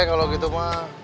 kalau gitu ma